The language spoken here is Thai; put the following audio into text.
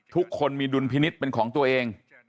ทุกคนมีดุลพินิษฐ์เป็นของตัวเอง